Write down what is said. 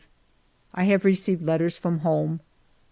I have received letters from home.